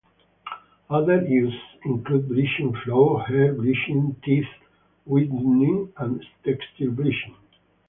Other uses include bleaching flour, hair bleaching, teeth whitening, and textile bleaching.